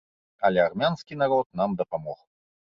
Але армянскі народ нам дапамог.